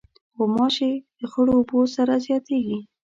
غوماشې د خړو اوبو سره زیاتیږي.